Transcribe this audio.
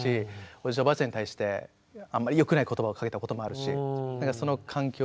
おじいちゃんおばあちゃんに対してあんまりよくない言葉をかけたこともあるしその環境